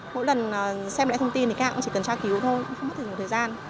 mỗi lần xem lại thông tin thì khách hàng cũng chỉ cần tra cứu thôi không có thể dùng thời gian